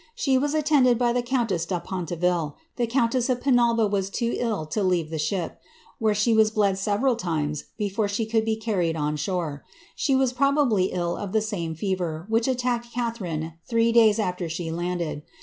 She was attended by the countess da Pontevel, the countess of Penalva was too ill to leave the ship, where she was Ued several times before she could be carried on shore. She was pro bably ill of the same fever which attacked Catharine three days after she landed.